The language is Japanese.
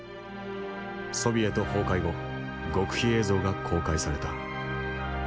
ソビエト崩壊後極秘映像が公開された。